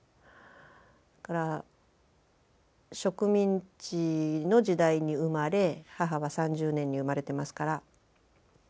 から植民地の時代に生まれ母は３０年に生まれてますから１９３０年。